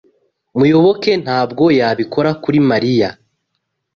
Muyoboke ntabwo yabikora kuri Mariya.